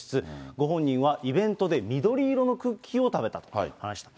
ご本人は、イベントで緑色のクッキーを食べたと話している。